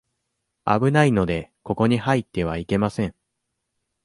危ないので、ここに入ってはいけません。